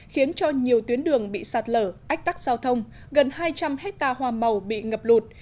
khiến cho nhiều tuyến đường bị sạt lở ách tắc giao thông gần hai trăm linh hectare hoa màu bị ngập lụt